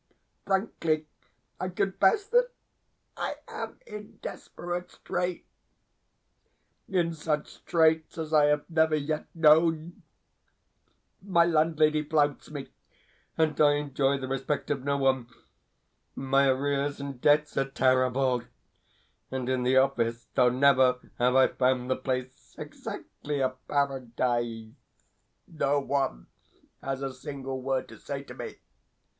Frankly, I confess that I am in desperate straits in such straits as I have never yet known. My landlady flouts me, and I enjoy the respect of no one; my arrears and debts are terrible; and in the office, though never have I found the place exactly a paradise, no one has a single word to say to me.